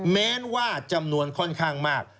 แม้ว่าจำนวนค่อนข้างมาก